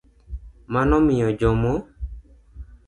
Mano miyo jomo